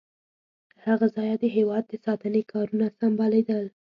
له هغه ځایه د هېواد د ساتنې کارونه سمبالیدل.